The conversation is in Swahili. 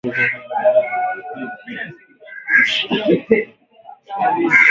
“Tunashuhudia unyanyasaji kutoka pande zote katika mzozo” aliongeza Valentine.